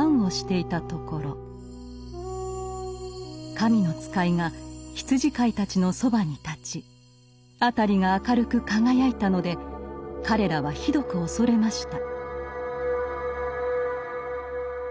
神の使いが羊飼いたちのそばに立ち辺りが明るく輝いたので彼らはひどく恐れました。